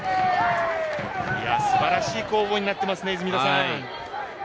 すばらしい攻防になっていますね泉田さん。